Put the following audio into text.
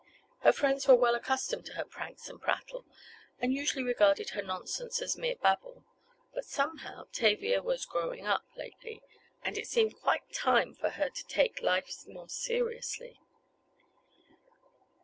Her friends were well accustomed to her pranks and prattle, and usually regarded her nonsense as mere babble. But, somehow, Tavia, was "growing up," lately, and it seemed quite time for her to take life more seriously.